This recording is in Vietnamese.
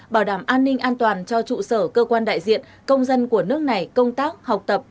bảo đảm an ninh an toàn cho trụ sở cơ quan đại diện công dân của nước này công tác học tập